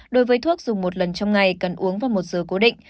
đối với thuốc dùng một lần trong ngày cần uống vào một giờ cố định